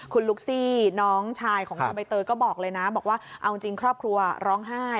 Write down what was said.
คุณลุกซี่น้องชายของคุณใบเตยก็บอกเลยนะบอกว่าเอาจริงครอบครัวร้องไห้